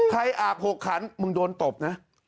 อาบ๖ขันมึงโดนตบนะ